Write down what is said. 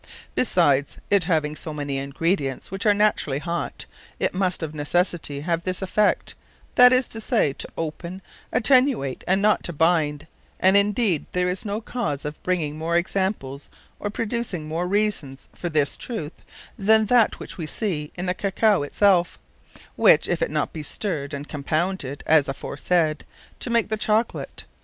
Besides, it having so many ingredients, which are naturally hot, it must of necessity have this effect; that is to say, to open, attenuate, and not to binde; and, indeed, there is no cause of bringing more examples, or producing more reasons, for this truth, then that which we see in the Cacao it self: which, if it be not stirred, and compounded, as aforesaid, to make the Chocolate.